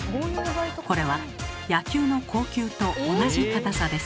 これは野球の硬球と同じ硬さです。